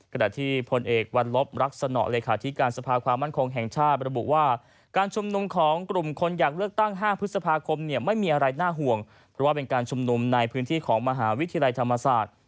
ขณะที่พลเอกวันลบรักษณะเลขาธิการสภาความมั่นคงแห่งชาติระบุว่าการชุมนุมของกลุ่มคนอยากเลือกตั้ง๕พฤษภาคมเนี่ยไม่มีอะไรน่าห่วงเพราะว่าเป็นการชุมนุมในพื้นที่ของมหาวิทยาลัยธรรมศาสตร์